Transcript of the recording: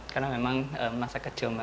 karena memang masa kecil